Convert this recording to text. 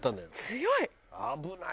強い！